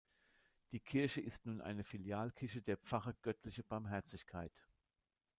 Die Kirche ist nun eine Filialkirche der Pfarre Göttliche Barmherzigkeit.